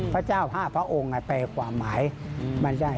พระเจ้าพระพระองค์แปลความหมายมันได้